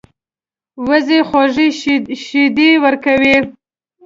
وزې خوږې شیدې ورکوي